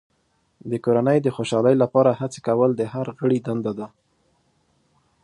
د کورنۍ د خوشحالۍ لپاره هڅې کول د هر غړي دنده ده.